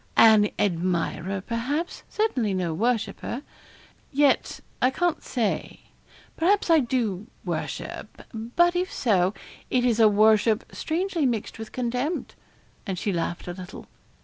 'An admirer, perhaps certainly no worshipper. Yet, I can't say. Perhaps I do worship; but if so, it is a worship strangely mixed with contempt.' And she laughed a little.